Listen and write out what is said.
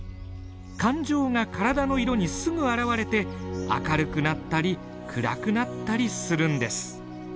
感情が体の色にすぐ表れて明るくなったり暗くなったりするんです。